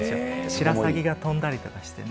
シラサギが飛んだりとかしてね。